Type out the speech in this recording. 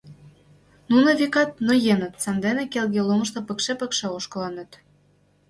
Нуно, векат, ноеныт, сандене келге лумышто пыкше-пыкше ошкылыт.